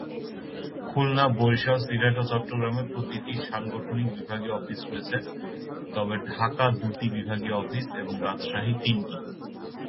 খুলনা, বরিশাল, সিলেট ও চট্টগ্রামে প্রতিটি সাংগঠনিক বিভাগীয় অফিস রয়েছে, তবে ঢাকা দুটি বিভাগীয় অফিস এবং রাজশাহী তিনটি।